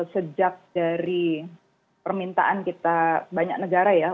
sejak dari permintaan kita banyak negara ya